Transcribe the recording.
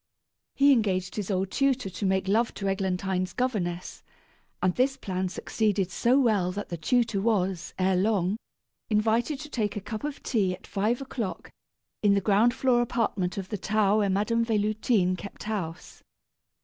He engaged his old tutor to make love to Eglantine's governess, and this plan succeeded so well that the tutor was, ere long, invited to take a cup of tea at five o'clock, in the ground floor apartment of the tower where Madame Véloutine kept house.